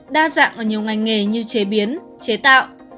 đa dạng ở nhiều ngành nghề như chế biến chế tạo